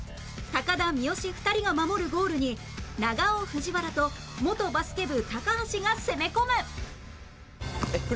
田三好２人が守るゴールに長尾藤原と元バスケ部高橋が攻め込む